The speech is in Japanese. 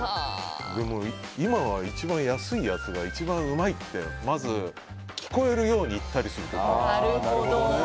でも今は安いやつが一番うまいってまず、聞こえるように言ったりしますね。